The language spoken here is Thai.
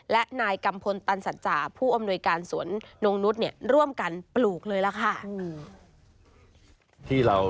และไงกรรมพลตรรศจรรย์ผู้อำนวยการสวนนวงนุษย์เนี่ย